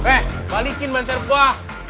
eh balikin banserap gue